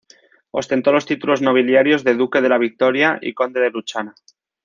Ostentó los títulos nobiliarios de duque de la Victoria y conde de Luchana.